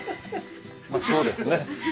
まあそうですね。